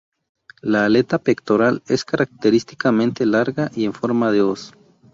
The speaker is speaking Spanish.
La aleta pectoral es característicamente larga y en forma de hoz.